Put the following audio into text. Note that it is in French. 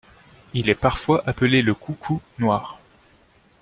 Il est parfois appelé le coucou noir.